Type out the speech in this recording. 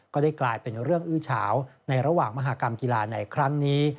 กลายเป็นเรื่องอื้อเฉาในระหว่างมหากรรมกีฬาในครั้งนี้